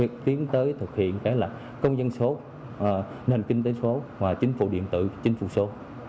tiến tới thực hiện cái là công dân số nền kinh tế số và chính phủ điện tử chính phủ số